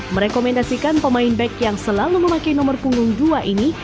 merekomendasikan pemain back yang selalu memakai nomor punggung dua ini